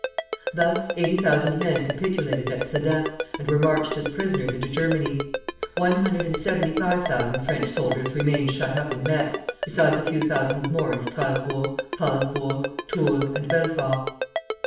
Thus eighty thousand men capitulated at Sedan, and were marched as prisoners into Germany; one hundred and seventy five thousand French soldiers remained shut up in Metz, besides a few thousands more in Strasburg, Phalsbourg, Toul, and Belfort.